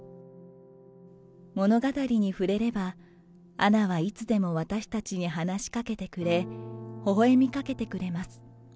物語に触れれば、アナはいつでも私たちに話しかけてくれ、ほほえみかけてくれます。